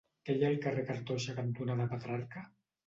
Què hi ha al carrer Cartoixa cantonada Petrarca?